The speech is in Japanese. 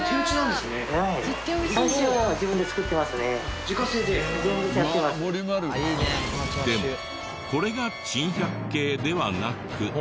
でもこれが珍百景ではなく。